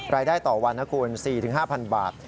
รายได้ต่อวัน๔๕๐๐๐บาท